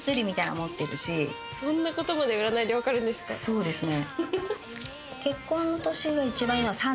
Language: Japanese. そうですね。